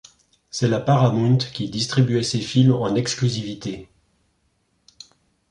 C'est la Paramount qui y distribuait ses films en exclusivité.